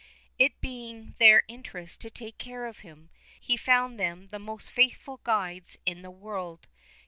It being their interest to take care of him, he found them the most faithful guides in the world.